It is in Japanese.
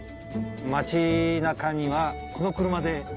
町中にはこの車で。